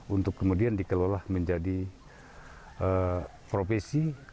untuk kemudian dikelola menjadi profesi